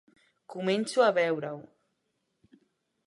Començo a veure-ho.